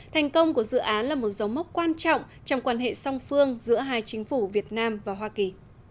thành công của dự án là một dấu mốc quan trọng trong quan hệ song phương giữa hai chính phủ việt nam và hoa kỳ